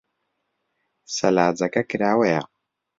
سەلاجەکە کراوەیە.